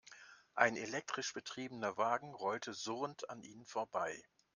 Ein elektrisch betriebener Wagen rollte surrend an ihnen vorbei.